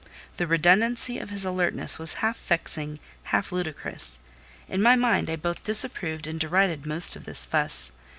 The redundancy of his alertness was half vexing, half ludicrous: in my mind I both disapproved and derided most of this fuss.